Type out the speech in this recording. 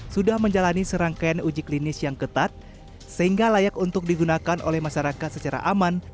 sudah menjalani serangkaian uji klinis yang ketat sehingga layak untuk digunakan oleh masyarakat secara aman